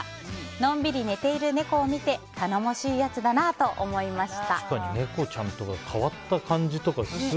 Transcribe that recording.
のんびり寝ている猫を見て頼もしい奴だなと思いました。